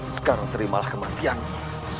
sekarang terimalah kematianmu